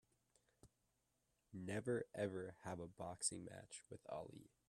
Never ever have a boxing match with Ali!